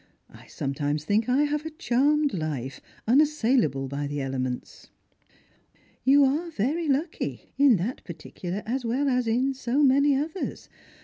I sometimes think I have a charmed life, unassailable by the elements." " You are very lucky, in that particular as well as in so many others.